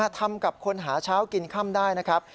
ทำกับคนหาเช้ากินค่ำได้นะครับ